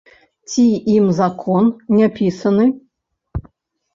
Ці ім закон не пісаны?